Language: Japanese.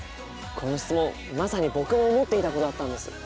この質問まさに僕も思っていたことだったんです。